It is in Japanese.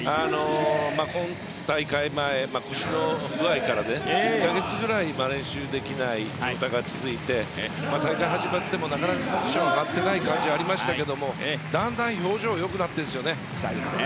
今大会前腰の具合から１カ月ぐらい練習できない状態が続いて大会が始まってもなかなかコンディションが上がってない感じがありましたがだんだん表情が良くなっているんです。